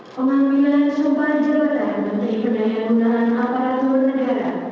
pembangunan sumpah jawa dan menteri pernahyagunan aparatur negara